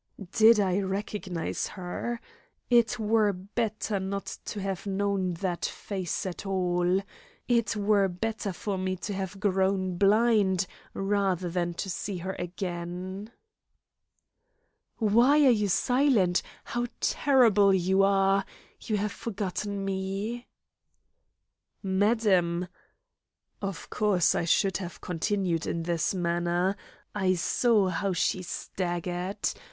Did I recognise her? It were better not to have known that face at all! It were better for me to have grown blind rather than to see her again! "Why are you silent? How terrible you are! You have forgotten me!" "Madam " Of course, I should have continued in this manner; I saw how she staggered.